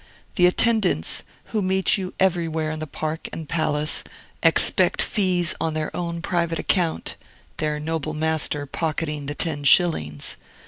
The attendants, who meet you everywhere in the park and palace, expect fees on their own private account, their noble master pocketing the ten shillings.